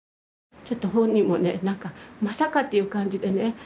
ちょっと本人もね「まさか」っていう感じでね。